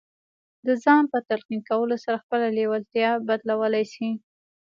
د ځان په تلقين کولو سره خپله لېوالتیا بدلولای شئ.